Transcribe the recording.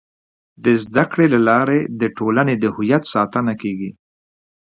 د زده کړې له لارې د ټولنې د هویت ساتنه کيږي.